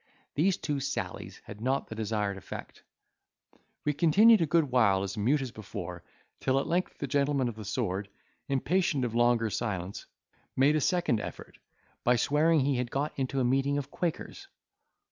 These two sallies had not the desired effect. We continued a good while as mute as before, till at length the gentleman of the sword, impatient of longer silence, made a second effort, by swearing he had got into a meeting of quakers.